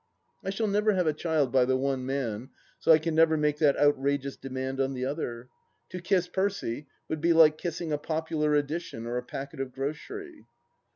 ... I shall never have a child by the one man, so I can never make that outrageous demand on the other !... To kiss Percy would be like kissing a popular edition or a packet of grocery.